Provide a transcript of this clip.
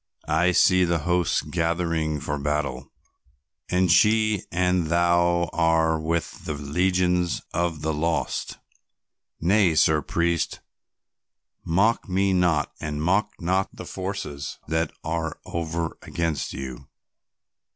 I see the hosts gathering for battle and she and thou are with the legions of the lost. Nay, Sir Priest, mock me not and mock not the forces that are over against you."